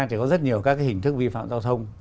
thì có rất nhiều các hình thức vi phạm giao thông